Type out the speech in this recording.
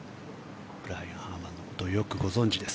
ブライアン・ハーマンのことをよくご存じです。